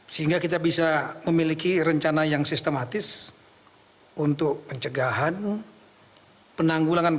sehingga kita bisa memiliki rencana yang sistematis untuk pencegahan